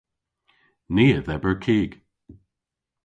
Ni a dheber kig.